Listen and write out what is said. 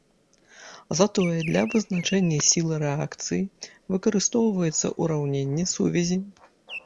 Затое для вызначэння сіл рэакцыі выкарыстоўваецца ураўненне сувязі.